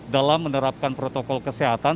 dalam menerapkan protokol kesehatan